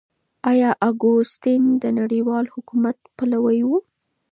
آيا اګوستين د نړيوال حکومت پلوي و؟